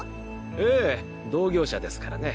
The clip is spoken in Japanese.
ええ同業者ですからね。